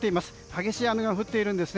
激しい雨が降っているんです。